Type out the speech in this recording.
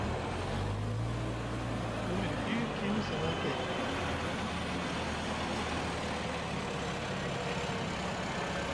Mu miɗiki, ki yimi seŋŋa kay.